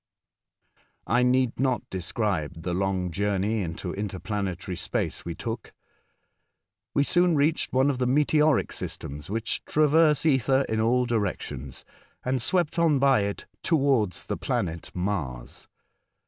^ Sjf 9p ?K I need not describe the long journey into interplanetary space we took. We soon reached one of the meteoric systems which traverse ether in all directions, and swept on by it towards the planet Mars.